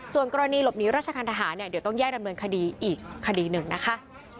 ส่วนกรณีหลบหนีราชการทหารเนี่ยเดี๋ยวต้องแยกดำเนินคดีอีกคดีหนึ่งนะคะ